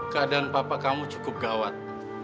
keadaan bapak kamu cukup gawat